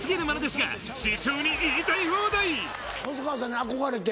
さらに細川さんに憧れて。